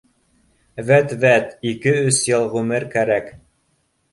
Вәт-вәт, ике-өс йыл ғүмер кәрәк